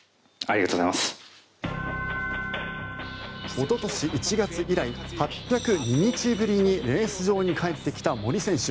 おととし１月以来８０２日ぶりにレース場に帰ってきた森選手。